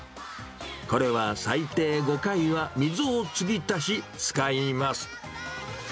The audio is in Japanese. これは最低５回は水を継ぎ足し使います。